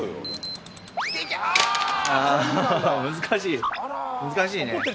難しいね。